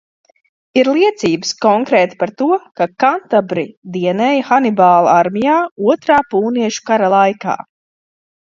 Ir liecības, konkrēti, par to, ka kantabri dienēja Hanibāla armijā Otrā Pūniešu kara laikā.